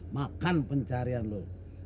makan pencarian lo